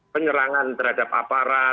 penyerangan terhadap aparat